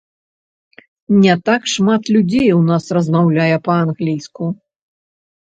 Не так шмат людзей у нас размаўляе па-англійску.